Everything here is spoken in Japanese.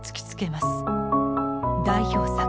代表作